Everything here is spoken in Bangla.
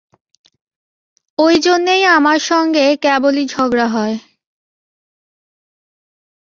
ঐজন্যেই আমার সঙ্গে কেবলই ঝগড়া হয়।